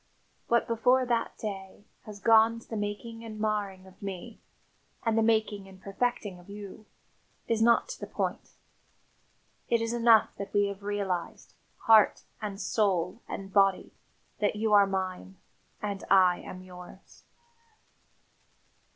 What, before that day, has gone to the making and marring of me, and the making and perfecting of you, is not to the point. It is enough that we have realised, heart, and soul, and body, that you are mine and I am yours."